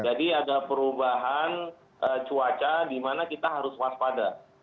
jadi ada perubahan cuaca di mana kita harus waspada